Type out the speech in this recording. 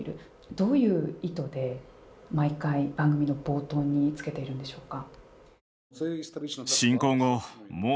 どういう意図で毎回番組の冒頭に付けているんでしょうか。